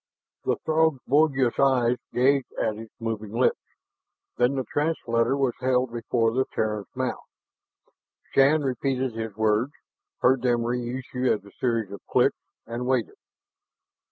The Throg's bulbous eyes gazed, at his moving lips. Then the translator was held before the Terran's mouth. Shann repeated his words, heard them reissue as a series of clicks, and waited.